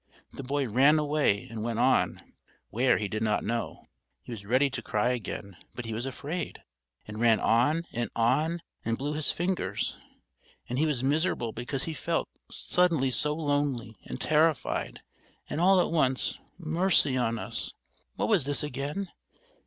The boy ran away and went on, where he did not know. He was ready to cry again but he was afraid, and ran on and on and blew his fingers. And he was miserable because he felt suddenly so lonely and terrified, and all at once, mercy on us! What was this again?